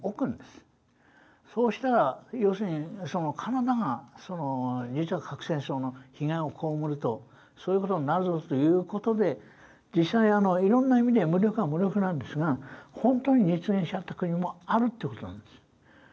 そうしたらカナダが核戦争の被害を被るとそういう事になるぞという事で実際いろんな意味で無力は無力なんですが本当に実現しちゃった国もあるって事なんです。